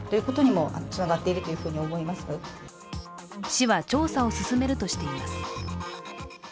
市は調査を進めるとしています。